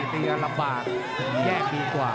ติดตามยังน้อยกว่า